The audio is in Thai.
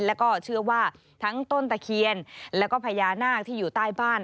แล้วก็เชื่อว่าทั้งต้นตะเคียนแล้วก็พญานาคที่อยู่ใต้บ้าน